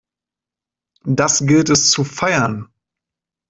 Das gilt es zu feiern!